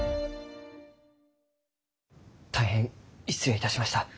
大変失礼いたしました。